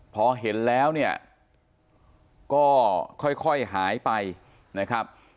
พอเห็นแล้วเนี่ยก็ค่อยหายไปนะครับ